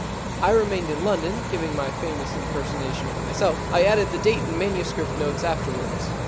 I remained in London giving my famous impersonation of myself. I added the date and manuscript notes afterwards.